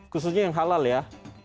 khususnya yang halal ya